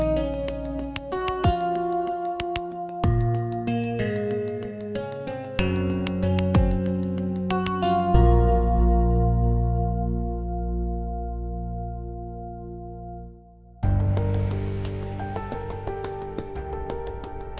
nggak ada yang mencerigakan